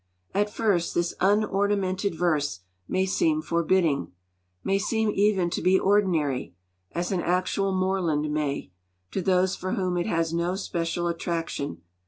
At first this unornamented verse may seem forbidding, may seem even to be ordinary, as an actual moorland may, to those for whom it has no special attraction.